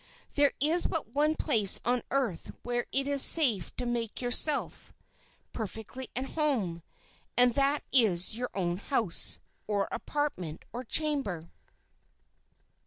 There is but one place on earth where it is safe to make yourself "perfectly at home," and that is your own house—or apartment—or chamber.